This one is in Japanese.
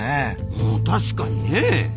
うん確かにねえ。